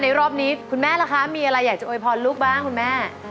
รอบนี้คุณแม่ล่ะคะมีอะไรอยากจะโวยพรลูกบ้างคุณแม่